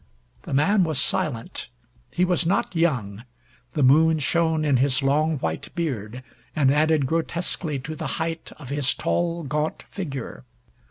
The man was silent. He was not young. The moon shone in his long white beard, and added grotesquely to the height of his tall gaunt figure.